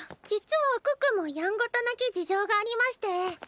実は可可もやんごとなき事情がありまして。